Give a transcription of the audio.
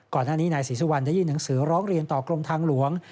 ก่อนหน้านี้นายศรีสุวรรณได้ยื่นหนังสือร้องเรียนต่อกรมทางหลวง